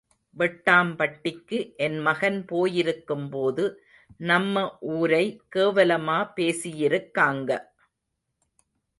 வெட்டாம்பட்டிக்கு என் மகன் போயிருக்கும்போது, நம்ம ஊரை கேவலமா பேசியிருக்காங்க.